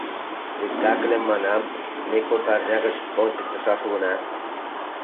Спектакльым, — манам, — ме кок арня гыч ончыктышаш улына.